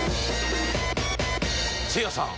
せいやさん